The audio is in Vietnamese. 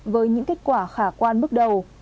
với những kết quả khả quan bước đầu